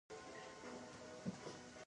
اوښ د افغان ښځو په ژوند کې رول لري.